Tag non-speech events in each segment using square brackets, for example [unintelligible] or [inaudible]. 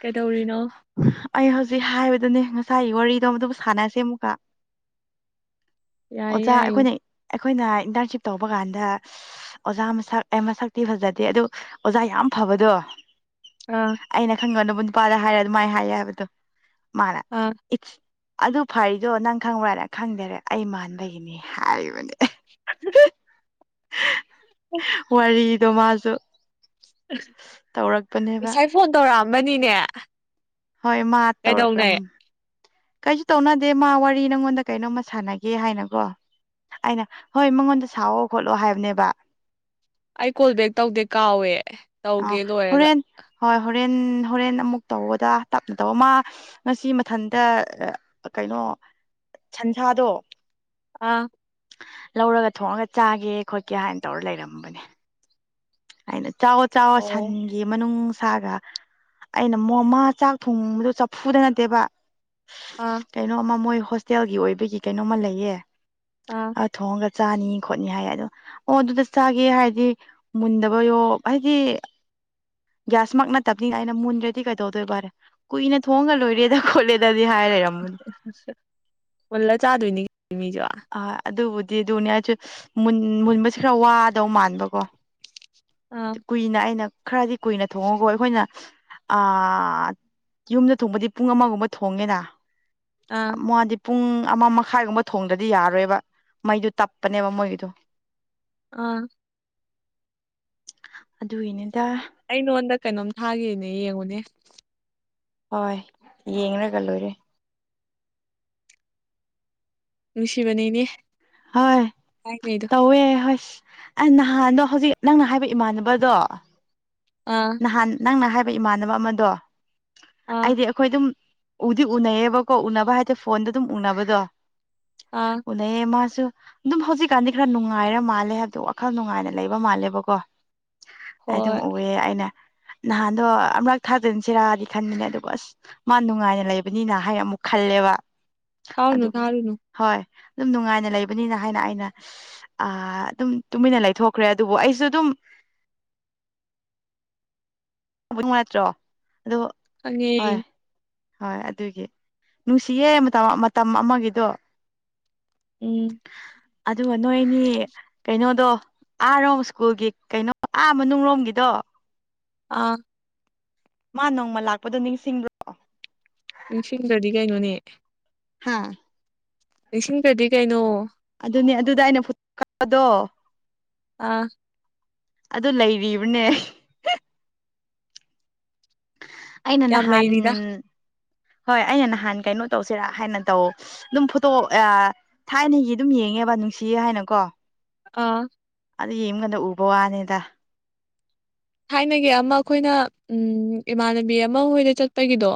ꯀꯩꯗꯧꯔꯤꯅꯣ ꯑꯩ ꯍꯧꯖꯤꯛ ꯍꯥꯏꯕꯗꯨꯅꯦ ꯉꯁꯥꯏꯒꯤ ꯋꯥꯔꯤꯗꯣ ꯑꯗꯨꯝ ꯁꯥꯟꯅꯁꯦ ꯑꯃꯨꯛꯀ ꯌꯥꯏꯌꯦ ꯑꯣꯖꯥ ꯌꯥꯏꯌꯦ ꯑꯩꯈꯣꯏꯅ ꯑꯩꯈꯣꯏꯅ ꯏꯟꯇꯔꯟꯁꯤꯞ ꯇꯧꯕ ꯀꯥꯟꯗ ꯑꯣꯖꯥ ꯃꯁꯛ ꯑ‌ꯦ ꯃꯁꯛꯇꯤ ꯐꯖꯗꯦ ꯑꯗꯨ ꯑꯣꯖꯥ ꯌꯥꯝ ꯐꯕꯗꯣ ꯑ ꯑꯩꯅ ꯈꯪꯅꯅꯕ ꯅꯨꯄꯥꯗ ꯍꯥꯏꯔꯦ ꯑꯗꯨꯃꯥꯏꯅ ꯍꯥꯏꯌꯦ ꯍꯥꯏꯕꯗꯣ ꯃꯥꯅ ꯑꯥ ꯏꯁ ꯑꯗꯨ ꯐꯔꯤꯗꯣ ꯅꯪ ꯈꯪꯕ꯭ꯔꯥꯅ ꯈꯪꯗꯔꯦ ꯑꯩ ꯃꯥꯟꯕꯒꯤꯅꯤ ꯍꯥꯏꯔꯤꯕꯅꯦ [unintelligible] [unintelligible] ꯋꯥꯔꯤꯗꯣ ꯃꯥꯁꯨ [unintelligible] ꯇꯧꯔꯛꯄꯅꯦꯕ ꯉꯁꯥꯏ ꯐꯣꯟ ꯇꯧꯔꯛꯑꯝꯕꯅꯤꯅꯦ ꯍꯣꯏ ꯃꯥ ꯇꯧꯔꯛꯂꯝ ꯀꯩꯗꯧꯅꯩ ꯀꯩꯁꯨ ꯇꯧꯅꯗꯦ ꯃꯥ ꯋꯥꯔꯤ ꯅꯉꯣꯟꯗ ꯀꯩꯅꯣꯝꯃ ꯁꯥꯟꯅꯒꯦ ꯍꯥꯏꯅꯀ‌ꯣ ꯑꯩꯅ ꯍꯣꯏ ꯃꯉꯣꯟꯗ ꯁꯥꯎꯑꯣ ꯈꯣꯠꯂꯣ ꯍꯥꯏꯕꯅꯦꯕ ꯑꯩ ꯀꯣꯜ ꯕꯦꯛ ꯇꯧꯗꯦ ꯀꯥꯎꯋꯦ ꯑꯥ ꯇꯧꯒꯦ ꯂꯣꯏꯔꯒ ꯍꯣꯔꯦꯟ ꯍꯣꯏ ꯍꯣꯔꯦꯟ ꯍꯣꯔꯦꯟ ꯑꯃꯨꯛ ꯇꯧꯋ‌ꯣꯗ ꯇꯞꯅ ꯇꯧꯋ‌ꯣ ꯃꯥ ꯉꯁꯤ ꯃꯊꯟꯇ ꯀꯩꯅꯣ ꯁꯟꯁꯥꯗꯣ ꯑꯥ ꯂꯧꯔꯒ ꯊꯣꯡꯉꯒ ꯆꯥꯒꯦ ꯈꯣꯠꯀꯦ ꯍꯥꯏꯅ ꯇꯧꯔ ꯂꯩꯔꯝꯕꯅꯦ ꯑꯩꯅ ꯆꯥꯎꯌ‌ꯣ ꯆꯥꯎꯌ‌ꯣ ꯑꯣ ꯁꯟ ꯒꯤ ꯃꯅꯨꯡ ꯁꯥꯔ ꯑꯩꯅ ꯃꯥ ꯆꯥꯛ ꯊꯣꯡꯕꯗꯣ ꯆꯐꯨꯗ ꯅꯠꯇꯦꯕ ꯑꯥ ꯀꯩꯅꯣꯝꯃ ꯃꯣꯏ ꯍꯣꯁꯇꯦꯜꯒꯤ ꯑꯣꯏꯕꯒꯤ ꯀꯩꯅꯣꯝꯃ ꯂꯩꯌꯦ ꯑꯥ ꯑ ꯊꯣꯡꯉꯒ ꯆꯥꯅꯤ ꯈꯣꯠꯅꯤ ꯍꯥꯏ ꯑꯗꯣ ꯑꯣ ꯑꯗꯨꯗ ꯆꯥꯒꯦ ꯍꯥꯏꯗꯤ ꯃꯨꯟꯗꯕꯣ ꯍꯥꯏꯗꯤ ꯒ꯭ꯌꯥꯁꯃꯛ ꯅꯠꯇꯕꯅꯤꯅ ꯑꯩꯅ ꯃꯨꯟꯗ꯭ꯔꯗꯤ ꯀꯩꯗꯧꯗꯣꯏꯕ ꯍꯥꯏꯅ ꯀꯨꯏꯅ ꯊꯣꯡꯉ ꯂꯣꯏꯔꯦꯗ ꯈꯣꯠꯂꯦꯗꯗꯤ ꯍꯥꯏꯔ ꯔꯝꯕꯅꯦ ꯃꯨꯜꯂ ꯆꯥꯗꯣꯏꯅꯤ ꯀꯩꯅ‌ꯣ ꯃꯤꯁꯨ ꯑ ꯑꯗꯨꯕꯨꯗꯤ ꯑꯗꯨꯅꯦ ꯑꯩꯁꯨ ꯃꯨꯟ ꯃꯨꯟꯕꯁꯦ ꯈꯔ ꯋꯥꯗꯧ ꯃꯥꯟꯕꯀꯣ ꯑꯥ ꯀꯨꯏꯅ ꯑꯩꯅ ꯈꯔꯗꯤ ꯀꯨꯏꯅ ꯊꯣꯡꯉ‌ꯣꯀ‌ꯣ ꯑꯩꯈꯣꯏꯅ ꯑ ꯌꯨꯝꯗ ꯊꯣꯡꯕꯗꯤ ꯄꯨꯡ ꯑꯃꯒꯨꯝꯕ ꯊꯣꯡꯉꯦꯅ ꯑꯥ ꯃꯥꯗꯤ ꯄꯨꯡ ꯑꯃ ꯃꯈꯥꯏꯒꯨꯝꯕ ꯊꯣꯡꯗꯔꯗꯤ ꯌꯥꯔꯣꯏꯕ ꯃꯩꯗꯨ ꯇꯞꯄꯅꯦꯕ ꯃꯣꯏꯒꯤꯗꯣ ꯑꯥ ꯑꯗꯨꯒꯤꯅꯦꯗ ꯑꯩ ꯅꯉꯣꯟꯗ ꯀꯩꯅꯣꯝ ꯊꯥꯈꯤꯕꯅꯦ ꯌꯦꯡꯉꯨꯅꯦ ꯍꯣꯏ ꯌꯦꯡꯔꯒ ꯂꯣꯏꯔꯦ ꯅꯨꯡꯁꯤꯕꯅꯤꯅꯦ ꯍꯣꯏ ꯇꯧꯋꯦ ꯍꯣꯏ ꯑꯩ ꯅꯍꯥꯟꯗꯣ ꯍꯧꯖꯤꯛ ꯅꯪꯅ ꯍꯥꯏꯕ ꯏꯃꯥꯟꯅꯕꯗꯣ ꯑ ꯅꯍꯥꯟ ꯅꯪꯅ ꯍꯥꯏꯕ ꯏꯃꯥꯟꯅꯕ ꯑꯃꯗꯣ ꯑꯥ ꯑꯩꯗꯤ ꯑꯩꯈꯣꯏ ꯑꯗꯨꯝ ꯎꯗꯤ ꯎꯅꯩꯌꯦꯕꯀꯣ ꯎꯅꯕ ꯍꯥꯏꯔꯗꯤ ꯐꯣꯟꯗ ꯑꯗꯨꯝ ꯎꯅꯕꯗꯣ ꯑꯥ ꯎꯅꯩꯌ‌ꯦ ꯃꯥꯁꯨ ꯑꯗꯨꯝ ꯍꯧꯖꯤꯛꯀꯥꯟꯗꯤ ꯈꯔ ꯅꯨꯡꯉꯥꯏꯔ ꯃꯥꯜꯂꯦ ꯍꯥꯏꯕꯗꯤ ꯋꯥꯈꯜ ꯅꯨꯡꯉꯥꯏꯅ ꯂꯩꯕ ꯃꯥꯜꯂꯦꯕꯀꯣ ꯑꯩ ꯑꯗꯨꯝ ꯍꯣꯏ ꯎꯑꯦ ꯑꯩꯅ ꯅꯍꯥꯟꯗꯣ ꯑꯃꯨꯔꯛ ꯊꯥꯛꯖꯤꯟꯁꯤꯔꯗꯤ ꯈꯟꯕꯅꯦ ꯑꯗꯨꯕꯨ ꯑꯁ ꯃꯥ ꯅꯨꯡꯉꯥꯏꯅ ꯂꯩꯕꯅꯤꯅ ꯍꯥꯏ ꯑꯃꯨꯛ ꯈꯜꯂꯦꯕ ꯊꯥꯔꯨꯅꯨ ꯑꯗꯨꯕꯨ ꯊꯥꯔꯨꯅꯨ ꯍꯣꯏ ꯑꯗꯨꯝ ꯅꯨꯡꯉꯥꯏꯅ ꯂꯩꯕꯅꯤꯅ ꯍꯥꯏꯅ ꯑꯩꯅ ꯑ ꯑꯗꯨꯝ ꯇꯨꯃꯤꯟꯅ ꯂꯩꯊꯣꯛꯈ꯭ꯔꯦ ꯑꯗꯨꯕꯨ ꯑꯩꯁꯨ ꯑꯗꯨꯝ ꯅꯨꯡꯉꯥꯏꯇ꯭ꯔꯣ ꯑꯗꯨ ꯈꯪꯉꯦ ꯍꯣꯏ ꯍꯣꯏ ꯑꯗꯨꯒꯤ ꯅꯨꯡꯁꯤꯌꯦ ꯃꯇꯝ ꯃꯇꯝ ꯑꯃꯒꯤꯗꯣ ꯎꯝ ꯑꯗꯨꯒ ꯅꯣꯏꯅꯤ ꯀꯩꯅꯣꯗꯣ ꯑꯥꯔꯣꯝ ꯁ꯭ꯀꯨꯜꯒꯤ ꯀꯩꯅꯣ ꯑꯥ ꯃꯅꯨꯡꯂꯣꯝꯒꯤꯗꯣ ꯑꯥ ꯃꯥ ꯅꯣꯡꯃ ꯂꯥꯛꯄꯗꯣ ꯅꯤꯡꯁꯤꯡꯕꯔ‌ꯣ ꯅꯤꯡꯁꯤꯡꯗ꯭ꯔꯗꯤ ꯀꯩꯅꯣꯅꯦ ꯍꯥꯥ ꯅꯤꯡꯁꯤꯡꯗꯔꯗꯤ ꯀꯩꯅꯣ ꯑꯗꯨꯅꯦ ꯑꯗꯨꯗ ꯑꯩꯅ ꯐꯨꯠ ꯀꯥꯗꯣ ꯑꯥ꯫ ꯑꯗꯨ ꯂꯩꯔꯤꯕꯅꯦ꯫ ꯑꯩꯅ ꯌꯥꯝ ꯅꯍꯥꯟ ꯂꯩꯔꯤꯗ ꯍꯣꯏ ꯑꯩꯅ ꯅꯍꯥꯟ ꯀꯩꯅꯣ ꯇꯧꯁꯤꯔꯥ ꯍꯥꯏꯅ ꯇꯧ ꯑꯗꯨꯝ ꯐꯣꯇꯣ ꯊꯥꯏꯅꯒꯤ ꯑꯗꯨꯝ ꯌꯦꯡꯉꯦꯕ ꯅꯨꯡꯁꯤꯌꯦ ꯍꯥꯏꯅꯀꯣ꯫ ꯑꯥ꯫ ꯑꯗꯨ ꯌꯦꯡꯕꯗ ꯎꯕ ꯋꯥꯅꯤꯗ꯫ ꯊꯥꯏꯅꯒꯤ ꯑꯃ ꯑꯩꯈꯣꯏꯅ ꯎꯝ ꯏꯃꯥꯟꯅꯕꯤ ꯑꯃ ꯍꯣꯏꯗ ꯆꯠꯄꯒꯤꯗꯣ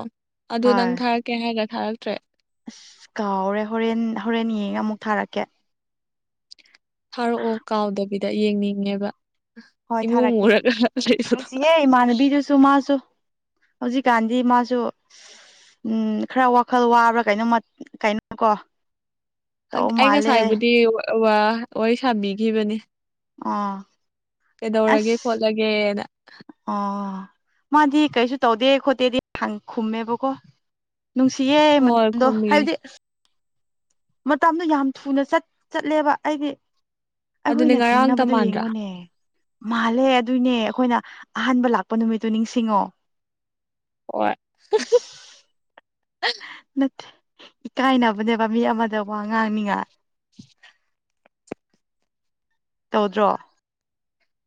ꯑꯗꯨ ꯅꯪ ꯍꯣꯏ ꯊꯥꯔꯛ ꯀꯦ ꯍꯥꯏꯔꯒ ꯊꯥꯔꯛꯇ꯭ꯔꯦ꯫ ꯑꯁ ꯀꯥꯎꯔꯦ ꯍꯣꯔꯦꯟ ꯍꯣꯔꯦꯟ ꯌꯦꯡꯉ ꯑꯃꯨꯛ ꯊꯥꯔꯛꯀꯦ꯫ ꯊꯥꯔꯛꯑꯣ ꯀꯥꯎꯗꯕꯤꯗ ꯌꯦꯡꯅꯤꯡꯉꯦꯕ꯫ ꯍꯣꯏ ꯏꯃꯨ ꯊꯥꯔꯛꯀꯦ ꯃꯨꯔꯒ ꯂꯩꯕꯗꯣ ꯅꯨꯡꯁꯤꯍꯦ ꯏꯃꯥꯟꯅꯕꯤꯗꯨꯁꯨ ꯃꯥꯁꯨ꯫ ꯍꯧꯖꯤꯛꯀꯥꯟꯗꯤ ꯃꯥꯁꯨ ꯎꯝ ꯈꯔ ꯋꯥꯈꯜ ꯋꯥꯕ꯭ꯔꯥ ꯀꯩꯅꯣꯃ ꯀꯩꯅꯣ ꯀꯣ꯫ ꯑꯩ ꯉꯁꯥꯏꯕꯨꯗꯤ ꯋꯥ ꯋꯥꯔꯤ ꯁꯥꯕꯤꯈꯤꯕꯅꯤ꯫ ꯑꯣ꯫ ꯀꯩꯗꯧꯔꯒꯦ ꯈꯣꯠꯂꯒꯦꯅ꯫ ꯑꯣ ꯃꯥꯗꯤ ꯀꯩꯁꯨ ꯇꯧꯗꯦ ꯈꯣꯠꯇꯦꯗꯤ ꯈꯪ ꯈꯨꯝꯃꯦꯕꯀꯣ꯫ ꯅꯨꯡꯁꯤꯌꯦ ꯍꯣꯏ ꯃꯇꯝꯗꯣ ꯈꯨꯝꯃꯤ ꯍꯥꯏꯗꯤ ꯃꯇꯝꯗꯣ ꯌꯥꯝ ꯊꯨꯅꯠ ꯆꯠ ꯆꯠꯂꯦꯕ ꯑꯩꯗꯤ꯫ ꯑꯗꯨꯅꯦ ꯑꯩꯈꯣꯏꯅ ꯉꯔꯥꯡꯇ ꯊꯦꯡꯅꯕꯗꯣ ꯃꯥꯟꯗ꯭ꯔꯥ ꯌꯦꯡꯉꯨꯅꯦ꯫ ꯃꯥꯜꯂꯦ ꯑꯗꯨꯅꯦ ꯑꯈꯣꯏꯅ ꯑꯍꯥꯟꯕ ꯂꯥꯛꯄ ꯅꯨꯃꯤꯠꯇꫭ ꯅꯤꯡꯁꯤꯡꯉꯣ꯫ ꯍꯣꯏ ꯏꯁ꯫ ꯅꯠꯇꯦ ꯏꯀꯥꯏꯅꯕꯅꯦꯕ ꯃꯤ ꯑꯃꯗ ꯋꯥ ꯉꯥꯡꯅꯤꯉꯥꯏ꯫ ꯇꯧꯗ꯭ꯔꯣ꯫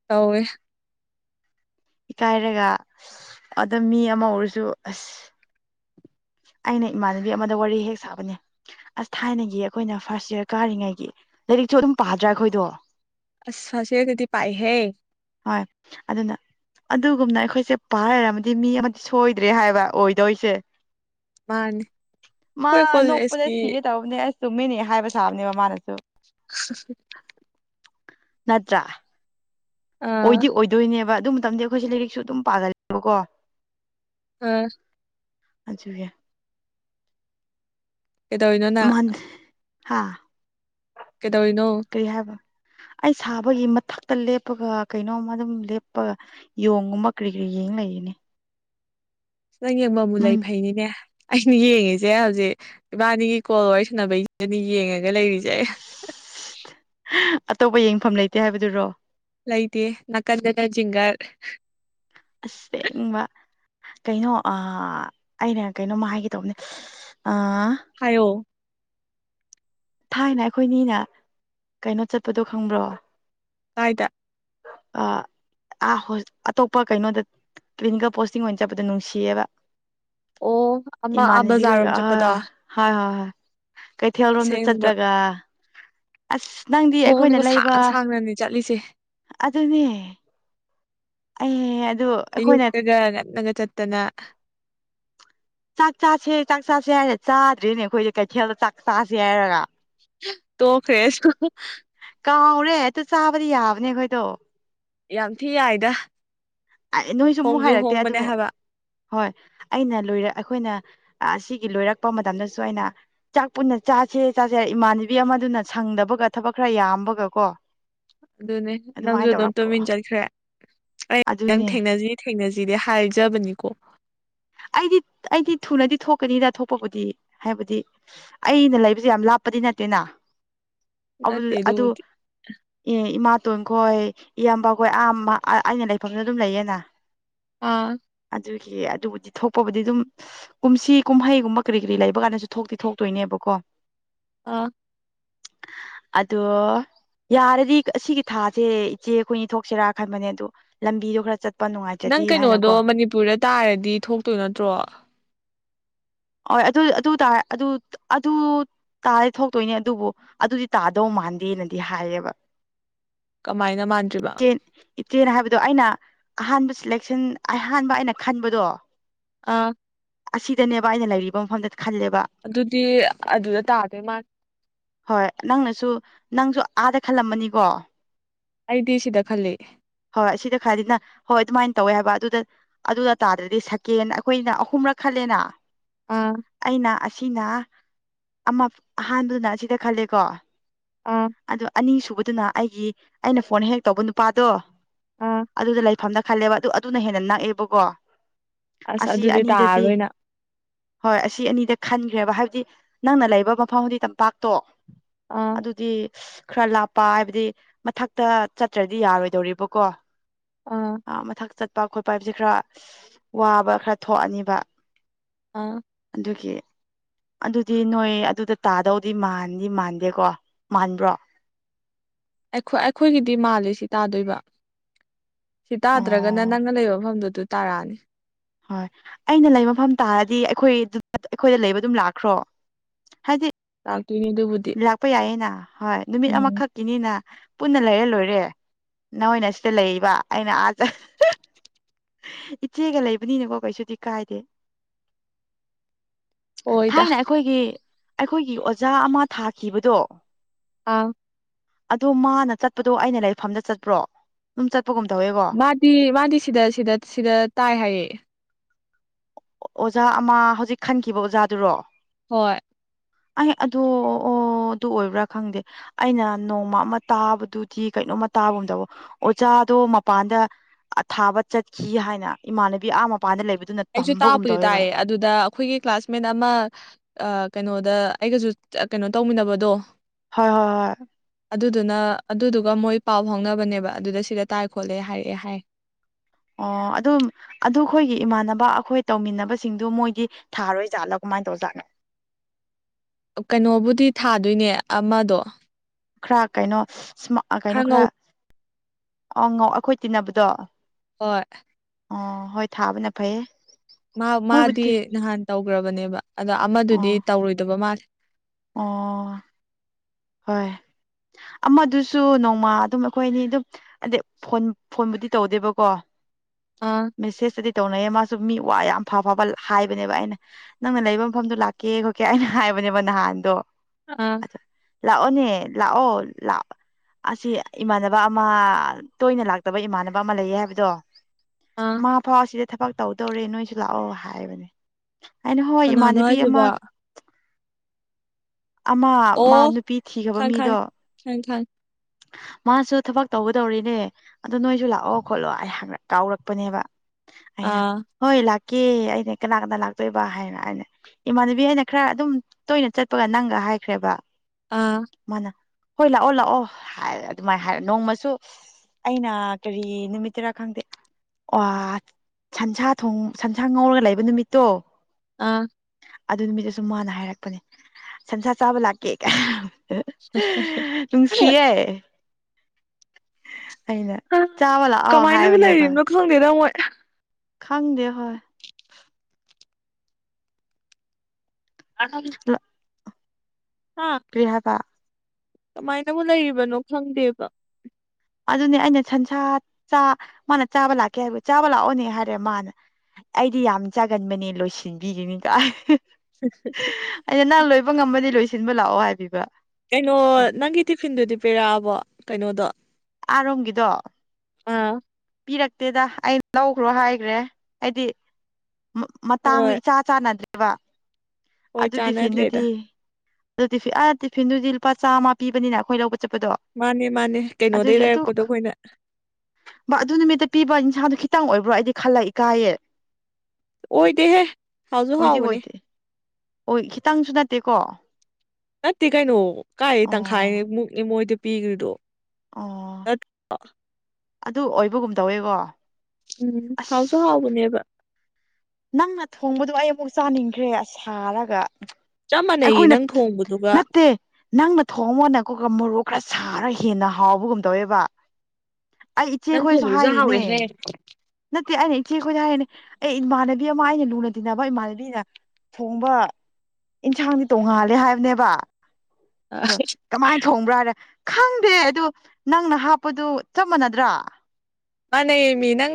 ꯇꯧꯋꯦ꯫ ꯏꯀꯥꯏꯔꯒ ꯑꯗ ꯃꯤ ꯑꯃ ꯎꯔꯁꯨ ꯑꯁ ꯑꯩꯅ ꯏꯃꯥꯟꯅꯕꯤ ꯑꯃꯗ ꯋꯥꯔꯤ ꯍꯦꯛ ꯁꯥꯕꯅꯦ꯫ ꯑꯁ ꯊꯥꯏꯅꯒꯤ ꯑꯩꯈꯣꯏꯅ ꯐꯥꯔꯁ ꯌꯌꯥꯔ ꯀꯥꯔꯤꯉꯩꯒꯤ ꯂꯥꯏꯔꯤꯛꯇꯁꯨ ꯑꯗꯨꯝ ꯄꯥꯗ꯭ꯔꯥ ꯑꯩꯈꯣꯏꯗꯣ꯫ ꯑꯁ ꯐꯔꯁ ꯌꯦꯔꯗꯗꯤ ꯄꯥꯏꯍꯦ꯫ ꯍꯣꯏ ꯑꯗꯨꯅ ꯑꯗꯨꯒꯨꯝꯅ ꯑꯩꯈꯣꯏꯁꯦ ꯄꯥꯔ ꯂꯩꯔꯝꯃꯗꯤ ꯃꯤ ꯑꯃꯗꯤ ꯁꯣꯏꯗ꯭ꯔꯦ ꯍꯥꯏꯕ ꯑꯣꯏꯗꯣꯏꯁꯦ꯫ ꯃꯥꯅꯤ ꯃꯥ ꯑꯈꯣꯏ ꯅꯣꯛꯄꯗ ꯀꯣꯂꯦꯖꯀꯤ ꯁꯤꯒꯦ ꯇꯧꯕꯅꯦ ꯑꯁ ꯆꯨꯝꯃꯤꯅꯦ ꯍꯥꯏꯕ ꯁꯥꯕꯅꯦꯕ ꯃꯥꯅꯁꯨ꯫ [unintelligible] ꯅꯠꯇ꯭ꯔꯥ꯫ ꯑꯥ ꯑꯣꯏꯗꯤ ꯑꯣꯏꯗꯣꯏꯅꯦꯕ ꯑꯗꯨ ꯃꯇꯝꯗꯤ ꯑꯈꯣꯏꯁꯨ ꯂꯥꯏꯔꯤꯛꯁꯨ ꯑꯗꯨꯝ ꯄꯥꯒꯜꯂꯦꯕꯀꯣ꯫ ꯎꯝ꯫ [unintelligible] ꯀꯩꯗꯧꯔꯤꯅꯣ ꯅꯪ [unintelligible] ꯀꯩꯗꯧꯋꯤꯅꯣ꯫ ꯀꯔꯤ ꯍꯥꯏꯕ ꯑꯩ ꯁꯥꯕꯒꯤ ꯃꯊꯛꯇ ꯂꯦꯞꯄꯒ ꯀꯩꯅꯣꯝꯃ ꯑꯗꯨꯝ ꯂꯦꯞꯄꯒ ꯌꯣꯡꯒꯨꯝꯕ ꯀꯔꯤ ꯀꯔꯤ ꯌꯦꯡꯑ ꯂꯩꯔꯤꯅꯤ꯫ ꯅꫭꯏ ꯌꯦꯡꯚꯝꯕꯨ ꯂꯩ ꯅꯪꯗꯤ ꯐꯩꯅꯤꯅꯦ꯫ ꯑꯩꯅ ꯌꯦꯡꯉꯤꯁꯦ ꯍꯧꯖꯤꯛ ꯏꯕꯥꯅꯤꯒꯤ ꯀꯣꯜ ꯋꯥꯔꯤ ꯁꯥꯟꯅꯕꯩꯁꯤꯗꯅꯤ ꯌꯦꯡꯉꯒ ꯂꯩꯔꯤꯁꯦ꯫ ꯑꯁ ꯑꯇꯣꯞꯄ ꯌꯦꯡꯐꯝ ꯂꯩꯇꯦ ꯍꯥꯏꯕꯗꯨꯔꯣ꯫ ꯂꯩꯇꯦ ꯅꯥꯀꯟꯗꯅ ꯖꯤꯡꯒꯔ ꯑꯁꯦꯡꯕ꯫ ꯀꯩꯅꯣ ꯑ ꯑꯩꯅ ꯀꯩꯅꯣꯃ ꯍꯥꯏꯒꯗꯧꯕꯅꯦ ꯑ ꯍꯥꯏꯌꫭ꯫ ꯊꯥꯏꯅ ꯑꯩꯈꯣꯏꯅꯤꯅ ꯀꯩꯅꯣ ꯆꯠꯄꯗꯣ ꯈꯪꯕ꯭ꯔꯣ ꯀꯗꯥꯥꯏꯗ ꯑ ꯑꯥ ꯑꯇꯣꯞꯄ ꯀꯩꯅꯣꯗ ꯄ꯭ꯔꯤꯟꯀ ꯄꯣꯁꯇꯤꯡ ꯑꯣꯏꯅ ꯆꯠꯄꯗ ꯅꯨꯡꯁꯤꯌꯦꯕ ꯑꯣ ꯑꯃ ꯑꯥ ꯏꯃꯥꯟꯅꯕꯤ ꯀ ꯕꯖꯥꯔꯣꯝ ꯍꯣꯏ ꯆꯠꯄꯗꯣ ꯍꯣꯏ ꯍ ꯀꯩꯊꯦꯜꯦꯜꯔꯣꯝꯗ ꯑꯁꯦꯡꯕ ꯆꯠꯇ꯭ꯔꯒ ꯑꯁ ꯅꯪꯗꯤ ꯑꯩꯈꯣꯏꯅ ꯂꯩꯕ ꯅꯤ ꯆꯠꯂꯤꯁꯦ ꯑꯗꯨꯅꯦ ꯑꯩ ꯑꯗꯨ ꯑꯩꯈꯣꯏꯅ ꯑꯌꯨꯛꯇꯒ ꯉꯛꯅꯒ ꯆꯠꯇꯅ ꯆꯥꯛ ꯆꯥꯁꯦ ꯆꯥꯛ ꯆꯥꯁꯦ ꯍꯥꯏꯔꯦ ꯆꯥꯗ꯭ꯔꯔꯤꯅꯦ ꯑꯩꯈꯣꯏꯁ ꯀꯩꯊꯦꯜꯗ ꯆꯥꯛ ꯆꯥꯁꯦ ꯍꯥꯏꯔꯒ ꯇꯣꯈ꯭ꯔꯦꯁ ꯀꯥꯎꯔꯦ ꯑꯗꯨ ꯆꯥꯕꯗꯤ ꯌꯥꯕꯅꯦ ꯑꯩꯈꯣꯏꯗꯣ ꯌꯥꯝ ꯊꯤ ꯌꯥꯏꯗ ꯅꯣꯏꯁꯨ ꯑꯃꯨꯛ ꯍꯣꯡꯁꯨ ꯍꯥꯏꯔꯛꯇꯦ ꯑꯗꯨ ꯍꯣꯡꯕꯅꯦ ꯍꯥꯏꯕ ꯍꯣꯏ ꯑꯩꯅ ꯂꯣꯏꯔ ꯑꯩꯈꯣꯏꯅ ꯑꯁꯤꯒꯤ ꯂꯣꯏꯔꯛꯄ ꯃꯇꯝꯗꯁꯨ ꯑꯩꯅ ꯆꯥꯛ ꯄꯨꯟꯅ ꯆꯥꯥꯁꯦ ꯆꯥꯁꯦ ꯏꯃꯥꯟꯅꯕꯤ ꯑꯃꯗꯨꯅ ꯁꯪꯗꯕꯒ ꯊꯕꯛ ꯈꯔ ꯌꯥꯝꯕꯒ ꯀꯣ ꯑꯗꯨꯅꯦ ꯅꯪꯁꯨ ꯑꯗꯨꯃꯥꯏꯅ ꯑꯗꯨꯝ ꯇꯧꯔꯛꯄ ꯇꯨꯃꯤꯟ ꯆꯠꯈ꯭ꯔꯦ ꯑꯩꯪ ꯑꯗꯨꯅꯦ ꯊꯦꯡꯅꯁꯤ ꯊꯦꯡꯅꯁꯤꯗꯤ ꯍꯥꯏꯖꯕꯅꯤꯀꯣ ꯑꯩꯗꯤ ꯑꯩꯗꯤ ꯊꯨꯅꯗꯤ ꯊꯣꯛꯀꯅꯤꯗ ꯊꯣꯛꯄꯕꯨꯗꯤ ꯍꯥꯏꯕꯗꯤ ꯑꯩꯅ ꯂꯩꯕꯁꯦ ꯌꯥꯝ ꯂꯥꯞꯄꯗꯤ ꯅꯠꯇꯦꯅ ꯅꯠꯇꯦ ꯑꯗꯨ ꯑꯗꯨꯕꯨꯗꯤ ꯑꯦ ꯏꯃꯥꯇꯣꯟ ꯈꯣꯏ ꯏꯌꯥꯝꯕꯈꯣꯏ ꯑꯥ ꯑꯩꯅ ꯂꯩꯐꯝꯅ ꯑꯗꯨꯝ ꯂꯩꯌꯦꯅ ꯑ ꯑꯗꯨꯒꯤ ꯑꯗꯨꯕꯨꯗꯤ ꯊꯣꯛꯄꯕꯨꯗꯤ ꯑꯗꯨꯝ ꯀꯨꯝꯁꯤ ꯀꯨꯝꯍꯩꯒꯨꯝꯕ ꯀꯔꯤ ꯀꯔꯤ ꯂꯩꯕ ꯀꯥꯟꯗꯁꯨ ꯊꯣꯛꯇꯤ ꯊꯣꯛꯇꯣꯏꯅꯦꯕꯀꯣ ꯑ ꯑꯗꯣ ꯌꯥꯔꯗꯤ ꯑꯁꯤꯒꯤ ꯊꯥꯁꯦ ꯏꯆꯦ ꯑꯩꯈꯣꯏꯅꯤ ꯊꯣꯛꯁꯤꯔꯥ ꯈꯟꯕꯅꯦ ꯑꯗꯣ ꯂꯝꯕꯤꯗꯣ ꯈꯔ ꯆ ꯑꯄꯥ ꯅꯨꯡꯉꯥꯏꯖꯦ ꯍꯥꯏꯅꯀꯣ ꯇꯨꯔꯗ ꯇꯥꯔꯗꯤ ꯊꯣꯛꯇꯣꯏ ꯅꯠꯇ꯭ꯔꯣ ꯍꯣꯏ ꯑꯗꯨ ꯑꯗꯨ ꯇꯥꯔꯦ ꯑꯗꯨ ꯑꯗꯨ ꯇꯥꯔꯦ ꯊꯣꯛꯇꯣꯏꯅꯦ ꯑꯗꯨꯕꯨ ꯑꯗꯨꯗꯤ ꯇꯥꯗꯧ ꯃꯥꯟꯗꯦꯅꯗꯤ ꯍꯥꯏꯌꯦꯕ ꯀꯃꯥꯏꯅ ꯃꯥꯟꯗ꯭ꯔꯤꯕ ꯏꯆꯦ ꯏꯆꯦꯅ ꯍꯥꯏꯕꯗꯣ ꯑꯩꯅ ꯑꯍꯥꯟꯕ ꯁꯤꯦꯂꯦꯛꯁꯟ ꯑꯍꯥꯟꯕ ꯑꯩꯅ ꯈꯟꯕꯗꯣ ꯑꯥ ꯑꯁꯤꯗꯅꯦꯕ ꯑꯩꯅ ꯂꯩꯔꯤꯕ ꯃꯐꯝꯗ ꯈꯜꯂꯦꯕ ꯑꯗꯨꯗꯤ ꯑꯗꯨꯗ ꯇꯥꯗꯣꯏ ꯃꯥ ꯍꯣꯏ ꯅꯪꯅꯁꯨ ꯅꯪꯁꯨ ꯑꯥꯗ ꯈꯜꯂꯝꯃꯅꯤꯀꯣ ꯑꯩꯗꯤ ꯁꯤꯗ ꯈꯜꯂꯤ ꯍꯣꯏ ꯑꯁꯤꯗ ꯈꯔꯗꯤꯅ ꯍꯣꯏ ꯑꯗꯨꯃꯥꯏꯅ ꯇꯧꯋꯦ ꯍꯥꯏꯕ ꯑꯗꯨꯗ ꯑꯗꯨꯗ ꯇꯥꯗ꯭ꯔꯗꯤ ꯁꯀꯦꯟ ꯑꯩꯈꯣꯏꯅ ꯑꯍꯨꯝꯔꯛ ꯈꯜꯂꯦꯅ ꯑ ꯑꯩꯅ ꯑꯁꯤꯅ ꯑꯃ ꯑꯍꯥꯟꯕꯅ ꯑꯁꯤꯗ ꯈꯜꯂꯦꯀꯣ ꯑꯥ ꯑꯗꯨ ꯑꯅꯤꯁꯨꯕꯗꯨꯅ ꯑꯩꯒꯤ ꯑꯩꯅ ꯐꯣꯟ ꯍꯦꯛ ꯇꯧꯕ ꯅꯨꯄꯥꯗꯣ ꯑꯥ ꯑꯗꯨꯗ ꯃꯐꯝꯗ ꯈꯜꯂꯦꯕ ꯑꯗꯨ ꯑꯗꯨꯅ ꯍꯦꯟꯅ ꯅꯛꯑꯦꯕꯀꯣ ꯑꯁ ꯑꯁꯤ ꯑꯗꯨꯗꯤ ꯑꯅꯤꯗꯗꯤ ꯇꯥꯔꯔꯣꯏꯅ ꯍꯣꯏ ꯑꯁꯤ ꯑꯅꯤꯗ ꯈꯟꯈ꯭ꯔꯦꯕ ꯍꯥꯏꯕꯗꯤ ꯅꯪꯅ ꯂꯩꯕ ꯃꯐꯝꯕꯨꯗꯤ ꯇꯝꯄꯥꯛꯇꯣ ꯑ ꯑꯗꯨꯗꯤ ꯈꯔ ꯂꯥꯞꯄ ꯍꯥꯏꯕꯗꯤ ꯃꯊꯛꯇ ꯆꯠꯇ꯭ꯔꯗꯤ ꯌꯥꯔꯣꯏꯗꯧꯔꯤꯕꯀꯣ ꯑꯥ ꯃꯊꯛ ꯆꯠꯄ ꯈꯣꯠꯄ ꯍꯥꯏꯕꯁꯤ ꯈꯔ ꯋꯥꯕ ꯈꯔ ꯊꯣꯛꯑꯅꯤꯕ ꯑꯥ ꯑꯗꯨꯒꯤ ꯑꯗꯨꯗꯤ ꯅꯣꯏ ꯑꯗꯨꯗ ꯇꯥꯗꯧꯗꯤ ꯃꯥꯟꯗꯤ ꯃꯥꯟꯗꯦꯀꯣ ꯃꯥꯟꯕ꯭ꯔꯣ ꯑꯩꯈꯣꯏ ꯑꯩꯈꯣꯏꯒꯤꯗꯤ ꯃꯥꯜꯂꯦ ꯁꯤ ꯇꯥꯗꯣꯏꯕ ꯁꯤ ꯇꯥꯗ꯭ꯔꯒꯅ ꯑꯣ ꯅꯪꯅ ꯂꯩꯕ ꯃꯐꯝꯗꯨ ꯑꯗꯨ ꯇꯥꯔꯛꯑꯅꯤ ꯍꯣꯏ ꯑꯩꯅ ꯂꯩꯕ ꯃꯐꯝ ꯇꯥꯔꯗꯤ ꯑꯩꯈꯣꯏ ꯑꯩꯈꯣꯏꯗ ꯂꯩꯕ ꯑꯗꯨꯝ ꯂꯥꯛꯈ꯭ꯔꯣ ꯍꯥꯏꯗꯤ ꯂꯥꯛꯇꯣꯏꯅꯤ ꯑꯗꯨꯕꯨ ꯂꯥꯛꯄ ꯌꯥꯏꯌꯦꯅ ꯍꯣꯏ ꯅꯨꯃꯤꯠ ꯑꯃꯈꯛꯀꯤꯅꯤꯅ ꯄꯨꯟꯅ ꯂꯩꯔꯦ ꯂꯣꯏꯔꯦ ꯅꯣꯏꯅ ꯁꯤꯗ ꯂꯩꯔꯤꯕ ꯑꯩꯅ ꯑꯥ ꯏꯆꯦꯒ ꯂꯩꯕꯅꯤꯅꯀꯣ ꯀꯩꯁꯨꯗꯤ ꯀꯥꯏꯗꯦ ꯍꯣꯏꯗ ꯊꯥꯏꯅ ꯑꯩꯈꯣꯏꯒꯤ ꯑꯩꯈꯣꯏꯒꯤ ꯑꯣꯖꯥ ꯑꯃ ꯊꯥꯈꯤꯕꯗꯣ ꯑꯥ ꯑꯗꯨ ꯃꯥꯅ ꯆꯠꯄꯗꯣ ꯑꯩꯅ ꯂꯩꯐꯝꯗ ꯆꯠꯄ꯭ꯔꯣ ꯑꯗꯨꯝ ꯆꯠꯄꯒꯨꯝ ꯇꯧꯋꯦ ꯃꯥꯗꯤ ꯃꯥꯗꯤ ꯁꯤꯗ ꯁꯤꯗ ꯁꯤꯗ ꯇꯥꯏ ꯍꯥꯏꯌꯦ ꯑꯣꯖꯥ ꯑꯃ ꯍꯧꯖꯤꯛ ꯈꯟꯈꯤꯕ ꯑꯣꯖꯥꯗꯨꯔꯣ ꯍꯣꯏ ꯑꯩ ꯑꯗꯨ ꯑꯣ ꯑꯗꯨ ꯑꯣꯏꯕ꯭ꯔꯥ ꯈꯪꯗꯦ ꯑꯩꯅ ꯅꯣꯡꯃ ꯑꯃ ꯇꯥꯕꯗꯨꯗꯤ ꯀꯩꯅꯣꯝꯃ ꯇꯥꯕꯒꯨꯝ ꯇꯧꯕ ꯑꯣꯖꯥꯗꯣ ꯃꯄꯥꯟꯗ ꯑꯊꯥꯕ ꯆꯠꯈꯤ ꯍꯥꯏꯅ ꯏꯃꯥꯟꯅꯕꯤ ꯑꯥ ꯃꯄꯥꯟꯗ ꯂꯩꯕꯗꯨꯅ ꯑꯩꯁꯨ ꯇꯝꯕꯒꯨꯝ ꯇꯥꯕꯨꯗꯤ ꯇꯧꯋꯦꯕ ꯇꯥꯏꯌꯦ ꯑꯗꯨꯗ ꯑꯩꯈꯣꯏꯒꯤ ꯀ꯭ꯂꯥꯁꯃꯦꯠ ꯑꯃ ꯑ ꯀꯩꯅꯣꯗ ꯑꯩꯒꯁꯨ ꯀꯩꯅꯣ ꯇꯧꯃꯤꯟꯅꯕꯗꯣ ꯍꯣꯏ ꯍꯣꯏ ꯍꯣꯏ ꯑꯗꯨꯗꯨꯅ ꯑꯗꯨꯗꯨꯒ ꯃꯣꯏ ꯄꯥꯎ ꯐꯥꯎꯅꯕꯅꯦꯕ ꯑꯗꯨꯗ ꯁꯤꯗ ꯇꯥꯏ ꯈꯣꯠꯂꯦ ꯍꯥꯏꯔꯛꯑꯦ ꯍꯥꯏ ꯑꯣ ꯑꯗꯨꯝ ꯑꯗꯨ ꯑꯩꯈꯣꯏꯒꯤ ꯏꯃꯥꯟꯅꯕ ꯑꯩꯈꯣꯏ ꯇꯧꯃꯤꯟꯅꯕꯁꯤꯡꯗꯨ ꯃꯣꯏꯗꯤ ꯊꯥꯔꯣꯏ ꯖꯥꯠꯂꯥ ꯀꯃꯥꯏꯅ ꯇꯧꯖꯥꯠꯅꯣ ꯀꯩꯅꯣꯕꯨꯗꯤ ꯊꯥꯗꯣꯏꯅꯦ ꯑꯃꯗꯣ ꯈꯔ ꯀꯩꯅꯣ ꯁꯃꯥ ꯀꯩꯅꯣ ꯈꯔ [unintelligible] ꯑꯩꯈꯣꯏ ꯇꯤꯟꯅꯕꯗꯣ ꯍꯣꯏ ꯑꯣ ꯍꯣꯏ ꯊꯥꯕꯅ ꯐꯩꯌꯦ ꯃꯥ ꯃꯥꯗꯤ ꯃꯣꯏꯕꯨꯗꯤ ꯅꯍꯥꯟ ꯇꯧꯈ꯭ꯔꯕꯅꯦꯕ ꯑꯗꯣ ꯑꯃꯗꯨꯗꯤ ꯑꯣ ꯇꯧꯔꯣꯏꯗꯕ ꯃꯥꯜꯂꯦ ꯑꯣ ꯍꯣꯏ ꯑꯃꯗꯨꯁꯨ ꯅꯣꯡꯃꯥ ꯑꯗꯨꯝ ꯑꯩꯈꯣꯏꯅꯤ ꯑꯗꯨꯝ ꯑꯗꯩ ꯐꯣꯟ ꯐꯣꯟꯕꯨꯗꯤ ꯇꯧꯗꯦꯕꯀꯣ ꯑꯥ ꯃꯦꯁꯦꯖꯇꯗꯤ ꯇꯧꯅꯩꯌꯦ ꯃꯥꯁꯨ ꯃꯤ ꯋꯥ ꯌꯥꯝ ꯐ ꯐꯕ ꯍꯥꯏꯕꯅꯦꯕ ꯑꯩꯅ ꯅꯪꯅ ꯂꯩꯕ ꯃꯐꯝꯗꯣ ꯂꯥꯛꯀꯦ ꯈꯣꯠꯀꯦ ꯑꯩꯅ ꯍꯥꯏꯕꯅꯦꯕ ꯅꯍꯥꯟꯗꯣ ꯎꯝ ꯑꯗꯣ ꯂꯥꯛꯑꯣꯅꯦ ꯂꯥꯛꯑꯣ ꯂꯥꯛ ꯑꯁꯤ ꯏꯃꯥꯟꯅꯕ ꯑꯃ ꯇꯣꯏꯅ ꯂꯥꯛꯇꯕ ꯏꯃꯥꯟꯅꯕ ꯑꯃ ꯂꯩꯌꯦ ꯍꯥꯏꯕꯗꯣ ꯑꯥ ꯃꯥ ꯐꯥꯎ ꯁꯤꯗ ꯊꯕꯛ ꯇꯧꯗꯧꯔꯦ ꯅꯣꯏꯁꯨ ꯂꯥꯛꯑꯣ ꯍꯥꯏꯕꯅꯦ ꯑꯩꯅ ꯍꯣꯏ ꯀꯅꯥꯅꯣ ꯏꯃꯥꯟꯅꯕꯤ ꯍꯥꯏꯁꯤꯕꯣ ꯑꯃ ꯑꯃ ꯃꯥ ꯑꯣ ꯅꯨꯄꯤ ꯊꯤꯈꯤꯕ ꯈꯪꯉꯦ ꯃꯤꯗꯣ ꯈꯪꯉꯦ ꯈꯪꯉꯦ ꯈꯪꯉꯦ ꯃꯥꯁꯨ ꯊꯕꯛ ꯇꯧꯒꯗꯧꯔꯤꯅꯦ ꯑꯗꯨ ꯅꯣꯏꯁꯨ ꯂꯥꯛꯑꯣ ꯈꯣꯠꯂꯣ ꯑꯩ ꯍꯥꯕ ꯀꯥꯎꯔꯛꯄꯅꯦꯕ ꯑꯩꯅ ꯑꯥ ꯍꯣꯏ ꯂꯥꯛꯀꯦ ꯑꯩꯅ ꯀꯅꯥ ꯀꯅꯥ ꯂꯥꯛꯇꯣꯏꯕ ꯍꯥꯏꯅ ꯑꯩꯅ ꯏꯃꯥꯟꯅꯕꯤ ꯑꯩꯅ ꯈꯔ ꯑꯗꯨꯝ ꯇꯣꯏꯅ ꯆꯠ ꯄꯒ ꯅꯪꯒ ꯍꯥꯏꯈ꯭ꯔꯦꯕ ꯑꯥ ꯃꯥꯅ ꯍꯣꯏ ꯂꯥꯛꯑꯣ ꯂꯥꯛꯑꯣ ꯍꯥꯏꯔ ꯑꯗꯨꯃꯥꯏꯅ ꯍꯥꯏꯔ ꯅꯣꯡꯃꯁꯨ ꯑꯩꯅ ꯀꯔꯤ ꯅꯨꯃꯤꯠ ꯇꯔꯥ ꯈꯪꯗꯦ ꯑꯣ ꯁꯟꯁꯥ ꯊꯣꯡ ꯁꯟꯁꯥ ꯉꯧꯔꯒ ꯂꯩꯕ ꯅꯨꯃꯤꯠꯇꯣ ꯑꯥ ꯑꯗꯨ ꯅꯨꯃꯤꯠꯇꯁꯨ ꯃꯥꯅ ꯍꯥꯏꯔꯛꯄꯅꯦ ꯁꯟꯁꯥ ꯆꯥꯕ ꯂꯥꯛꯀꯦ ꯅꯨꯡꯁꯤꯌꯦ ꯑꯩꯅ ꯑ ꯆꯥꯕ ꯂꯥꯛꯑꯣ ꯀꯃꯥꯏꯅꯕꯨ ꯍꯥꯏꯕꯅꯦꯕ ꯂꯩꯔꯤꯅꯣ ꯈꯪꯗꯦꯗ ꯃꯣꯏ ꯈꯪꯗꯦ ꯍꯣꯏ ꯑ ꯎ ꯍꯥ ꯀꯃꯥꯏꯅꯕꯨ ꯂꯩꯔꯤꯕꯅꯣ ꯈꯪꯗꯦꯕ ꯑꯗꯨꯅꯦ ꯑꯩꯅ ꯁꯟꯁꯥꯥ ꯃꯥꯅ ꯆꯥꯕ ꯂꯥꯛꯀꯦ ꯍꯥꯏꯕꯗ ꯆꯥꯕ ꯂꯥꯛꯑꯣꯅꯦ ꯍꯥꯏꯔꯦ ꯃꯥꯅ ꯑꯩꯗꯤ ꯌꯥꯝ ꯆꯥꯒꯟꯕꯅꯦ ꯂꯣꯏꯁꯤꯟꯕꯤꯔꯤꯅꯤꯗ ꯑꯩꯅ ꯅꯪ ꯂꯣꯏꯕ ꯉꯝꯃꯗꯤ ꯂꯣꯏꯁꯤꯟꯕ ꯂꯥꯛꯑꯣ ꯍꯥꯏꯕꯤꯕ ꯀꯩꯅꯣ ꯑꯦ ꯅꯪꯒꯤ ꯇꯤꯐꯤꯟꯗꯨꯗꯤ ꯄꯤꯔꯛꯑꯕꯣ ꯀꯩꯅꯣꯗꯣ ꯑꯥꯔꯣꯝꯒꯤꯗꯣ ꯑꯥ ꯄꯤꯔꯛꯇꯦꯗ ꯑꯩꯅ ꯂꯧꯈ꯭ꯔꯣ ꯍꯥꯏꯈ꯭ꯔꯦ ꯑꯩꯗꯤ ꯃꯇꯥꯡꯗꯨ ꯍꯣꯏ ꯏꯆꯥ ꯆꯥꯟꯅꯗ꯭ꯔꯦꯕ ꯍꯣꯏ ꯑꯗꯨ ꯆꯥꯟꯅꯗ꯭ꯔꯦꯗ ꯇꯤꯐꯤꯟꯗꯨꯗꯤ ꯑꯗꯨ ꯇꯤꯐꯤꯟ ꯑꯥ ꯇꯤꯐꯤꯟꯗꯨꯗꯤ ꯂꯨꯄꯥ ꯆꯥꯝꯃ ꯄꯤꯕꯅꯤꯅ ꯑꯩꯈꯣꯏ ꯂꯧꯕ ꯆꯠꯄꯗꯣ ꯃꯥꯅꯦ ꯃꯥꯅꯦ ꯀꯩꯅꯣꯗꯒꯤ ꯂꯩꯔꯛꯄꯗꯣ ꯑꯩꯈꯣꯏꯅ ꯕꯥ ꯑꯗꯨ ꯅꯨꯃꯤꯠꯇ ꯄꯤꯕ ꯏꯟꯁꯥꯡꯗꯣ ꯈꯤꯇꯪ ꯑꯣꯏꯕ꯭ꯔꯣ ꯑꯩꯗꯤ ꯈꯜꯂꯛ ꯏꯀꯥꯏꯌꯦ ꯑꯣꯏꯗꯦꯍꯦ ꯍꯥꯎꯁꯨ ꯍꯥꯎꯕꯅꯦ ꯑꯣ ꯈꯤꯇꯪꯁꯨ ꯅꯠꯇꯦꯀꯣ ꯅꯠꯇꯦ ꯀꯩꯅꯣ ꯀꯥꯏꯗꯩ ꯇꯪꯈꯥꯏꯅꯦ ꯑꯣ ꯃꯨꯛꯅꯤ ꯃꯣꯏꯗ ꯄꯤꯈ꯭ꯔꯤꯗꯣ ꯑꯣ ꯑ ꯑꯗꯨ ꯑꯣꯏꯕꯒꯨꯝ ꯇꯧꯋꯦ ꯎꯝ ꯍꯥꯎꯁꯨ ꯍꯥꯎꯕꯅꯦꯕ ꯅꯪꯅ ꯊꯣꯡꯕꯗꯨꯣ ꯑꯩ ꯑꯃꯨꯛ ꯆꯥꯅꯤꯡꯈ꯭ꯔꯦ ꯑ ꯁꯥꯔꯒ ꯆꯞ ꯃꯥꯟꯅꯩꯌꯦ ꯑꯩꯈꯣꯏꯅ ꯅꯪ ꯊꯣꯡꯕꯗꯨꯒ ꯅꯠꯇꯦ ꯅꯪꯅ ꯊꯣꯡꯕꯅ ꯃꯣꯔꯣꯀ ꯈꯔꯥ ꯃꯣꯔꯣꯛ ꯈꯔ ꯁꯥꯔ ꯍꯦꯟꯅ ꯍꯥꯎꯕꯒꯨꯝ ꯇꯧꯋꯦꯕ ꯑꯩ ꯅꯪ ꯏꯆꯦꯈꯣꯏꯁꯨ ꯊꯣꯡꯕꯗꯨꯁꯨ ꯍꯥꯏꯔꯤꯅꯦ ꯍꯥꯎꯋꯦꯍꯦ ꯅꯠꯇꯦ ꯑꯩꯅ ꯏꯆꯦ ꯈꯣꯏꯗ ꯍꯥꯏꯔꯝꯅꯦ ꯑꯩ ꯏꯃꯥꯟꯅꯕꯤ ꯑꯃ ꯑꯩꯅ ꯂꯨꯅ ꯇꯤꯟꯅꯕ ꯏꯃꯥꯟꯅꯕꯤꯅ ꯊꯣꯡꯕ ꯏꯟꯁꯥꯡꯗꯤ ꯇꯣꯡꯉꯥꯜꯂꯦ ꯍꯥꯏꯕꯅꯦꯕ ꯑ ꯑꯗꯣ ꯀꯃꯥꯏꯅ ꯊꯣꯡꯕ꯭ꯔꯥ ꯍꯥꯏꯅ ꯈꯪꯗꯦ ꯑꯗꯨ ꯅꯪꯅ ꯍꯥꯞꯄꯗꯨ ꯆꯞ ꯃꯥꯟꯅꯗ꯭ꯔꯥ ꯃꯥꯅꯩꯌꯦꯃꯤ ꯅꯪ